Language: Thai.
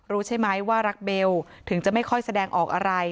รู้ใช่ไหมว่ารักเบลถึงจะไม่ค่อยแสดงออกอะไร